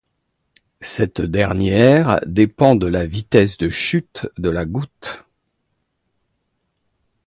Cette dernière dépend de la vitesse de chute de la goutte.